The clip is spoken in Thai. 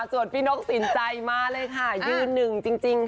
ส่วนพี่นกสินใจมาเลยค่ะยืนหนึ่งจริงค่ะ